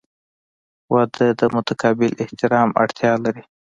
• واده د متقابل احترام اړتیا لري.